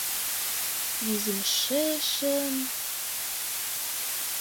Визымшешын...